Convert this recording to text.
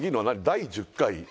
第１０回？